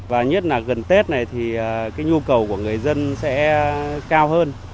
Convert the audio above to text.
và nhất là gần tết này thì cái nhu cầu của người dân sẽ cao hơn